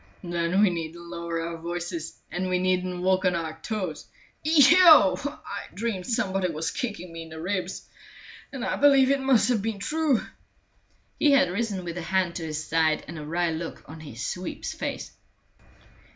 "Then we needn't lower our voices, and we needn't walk on our toes. Eheu! I dreamed somebody was kicking me in the ribs, and I believe it must have been true." He had risen with a hand to his side and a wry look on his sweep's face.